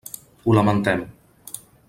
Ho lamentem.